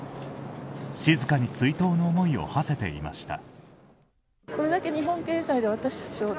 静かに追悼の思いをはせていました。